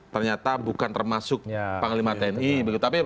ternyata bukan termasuk panglima tni